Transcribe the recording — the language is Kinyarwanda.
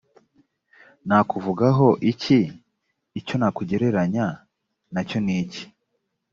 nakuvugaho iki icyo nakugereranya na cyo ni iki‽